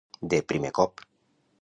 De primer cop.